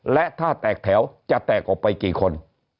และถ้าแตกแถวจะแตกออกไปกี่คน